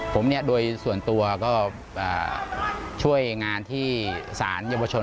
ผมเนี่ยโดยส่วนตัวก็ช่วยงานที่สารเยาวชน